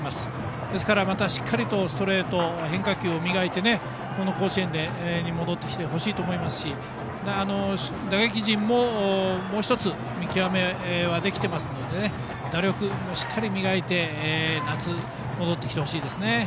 またしっかりストレートと変化球を磨いてこの甲子園に戻ってきてほしいと思いますし打撃陣も見極めはできていますので打力もしっかり磨いて夏、戻ってきてほしいですね。